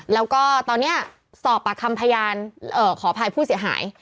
แล้วก็ตอนนี้สอบปากคำพยานขออภัยผู้เสียหาย